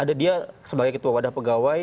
ada dia sebagai ketua wadah pegawai